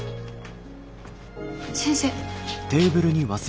先生。